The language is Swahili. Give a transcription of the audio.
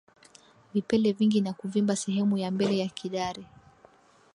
Vipele vingi na kuvimba sehemu ya mbele ya kidari